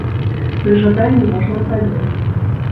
Пры жаданні можна праверыць.